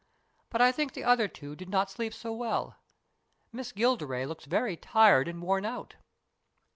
But I think the other two did not sleep so well. Miss Gilderay looks very tired and worn out."